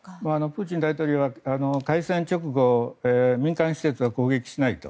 プーチン大統領は開戦直後、民間施設は攻撃しないと。